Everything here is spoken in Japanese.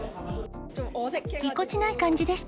ぎこちない感じでした。